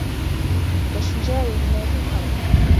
وَالشُّجَاعُ إلَّا فِي الْحَرْبِ